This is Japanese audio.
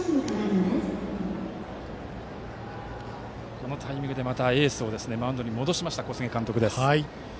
このタイミングでエースをマウンドに戻しました小菅監督です。